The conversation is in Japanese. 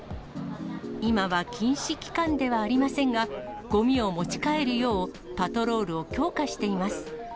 今は禁止期間ではありませんが、ごみを持ち帰るよう、パトロールを強化しています。